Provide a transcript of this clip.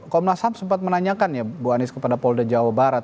komnas ham sempat menanyakan ya bu anies kepada polda jawa barat